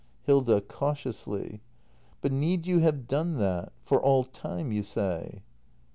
Hilda. [Cautiously.] But need you have done that ? For all time, you say